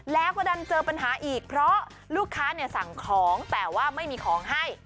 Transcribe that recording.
แล้วก็ดันเจอปัญหาอีกเพราะลูกค้าเนี่ยสั่งของแต่ว่าไม่มีของให้